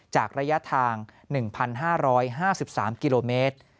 ระยะทาง๑๕๕๓กิโลเมตร